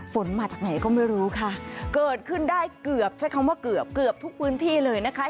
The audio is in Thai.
ฝนมาจากไหนก็ไม่รู้ค่ะเกิดขึ้นได้เกือบใช้คำว่าเกือบเกือบทุกพื้นที่เลยนะคะ